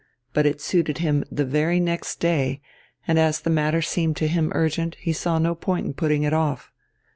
But it suited him the very next day, and as the matter seemed to him urgent, he saw no point in putting it off.